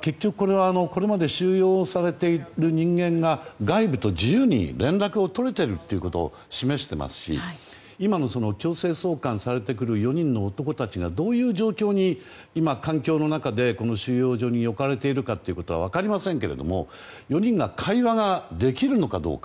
結局、これまで収容されている人間が外部と自由に連絡を取れているということを示していますし今の強制送還されてくる４人の男たちがどういう状況で今、そういう環境の中に収容所で置かれているかは分かりませんけれども４人が会話できるのかどうか。